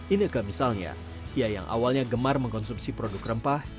ineka misalnya ya yang awalnya gemar mengkonsumsi produk rempah